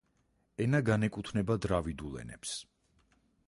ენა განეკუთვნება დრავიდულ ენებს.